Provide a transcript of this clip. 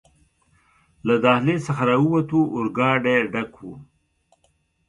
له دهلېز څخه راووتو، اورګاډی ډک و.